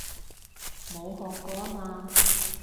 冇學過吖嘛